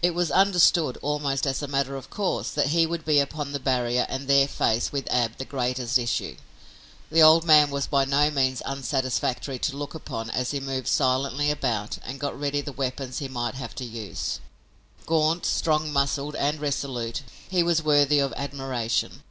It was understood, almost as a matter of course, that he would be upon the barrier and there face, with Ab, the greatest issue. The old man was by no means unsatisfactory to look upon as he moved silently about and got ready the weapons he might have to use. Gaunt, strong muscled and resolute, he was worthy of admiration.